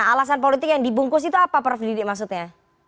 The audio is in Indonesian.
alasan politik yang dibungkus itu apa prof didik maksudnya